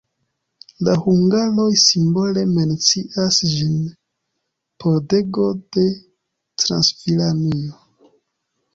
La hungaroj simbole mencias ĝin: "Pordego de Transilvanio".